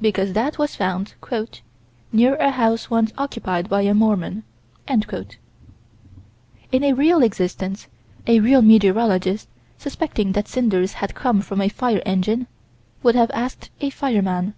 Because that was found "near a house once occupied by a Mormon." In a real existence, a real meteorologist, suspecting that cinders had come from a fire engine would have asked a fireman.